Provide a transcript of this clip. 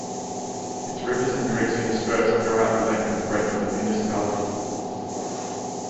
Its rivers and creeks intersperse throughout the length and breadth of the municipality.